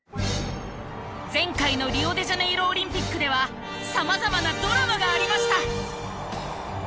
前回のリオデジャネイロオリンピックではさまざまなドラマがありました。